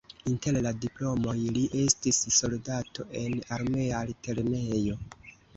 Inter la diplomoj li estis soldato en armea altlernejo.